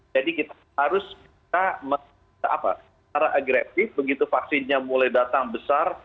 jadi kita harus secara agresif begitu vaksinnya mulai datang besar